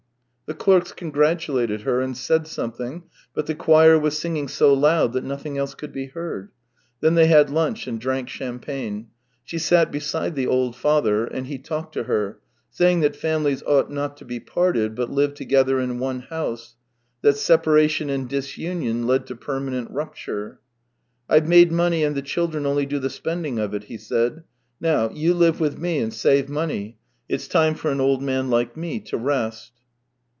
The clerks congratulated her and said something, but the choir was singing so loud that nothing else could be heard. Then they had lunch and drank champagne. She sat beside the old father, and he talked to her, saying that families ought not to be parted but live together in one house; that separation and disunion led to permanent rupture. " I've made money and the children only do the spending of it," he said. " Now, you live with me and save money. It's time for an old man like me to rest."